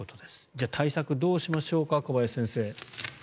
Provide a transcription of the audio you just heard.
じゃあ対策どうしましょうか小林先生。